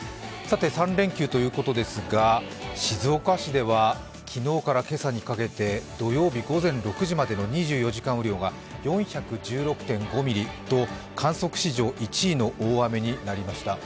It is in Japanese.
３連休ということですが静岡市では昨日から今朝にかけて土曜日午前６時までの２４時間雨量が４１６．５ミリと観測史上１位の大雨になりました。